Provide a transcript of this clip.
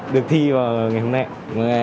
được thi vào ngày hôm nay